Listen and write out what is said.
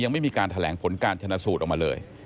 ยังไม่มีการแถลงผลการชนะสูตรออกมาเลย